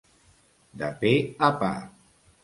De pe a pa.